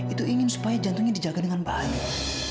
itu ingin supaya jantungnya dijaga dengan baik